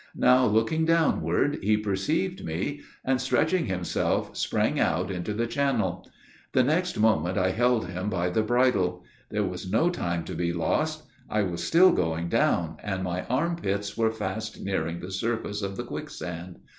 Now looking downward he perceived me, and, stretching himself, sprang out into the channel. The next moment, I held him by the bridle. There was no time to be lost. I was still going down, and my arm pits were fast nearing the surface of the quicksand.